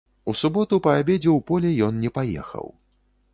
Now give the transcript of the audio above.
У суботу па абедзе ў поле ён не паехаў.